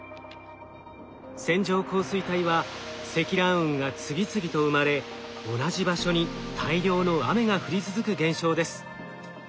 線状降水帯は積乱雲が次々と生まれ同じ場所に大量の雨が降り続く現象です。